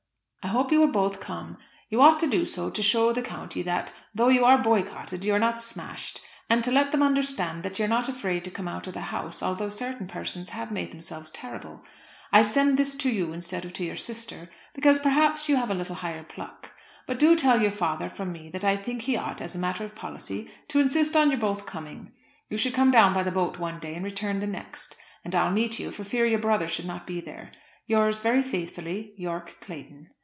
I hope you will both come. You ought to do so to show the county that, though you are boycotted, you are not smashed, and to let them understand that you are not afraid to come out of the house although certain persons have made themselves terrible. I send this to you instead of to your sister, because perhaps you have a little higher pluck. But do tell your father from me that I think he ought, as a matter of policy, to insist on your both coming. You could come down by the boat one day and return the next; and I'll meet you, for fear your brother should not be there. Yours very faithfully, YORKE CLAYTON.